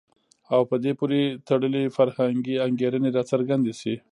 او په دې پورې تړلي فرهنګي انګېرنې راڅرګندې شي.